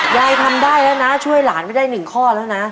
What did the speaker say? ยายทำได้แล้วนะช่วยหลานไปได้๑ข้อแล้วนะ